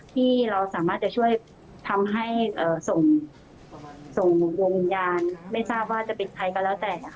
ที่เราสามารถจะช่วยทำให้ส่งดวงวิญญาณไม่ทราบว่าจะเป็นใครก็แล้วแต่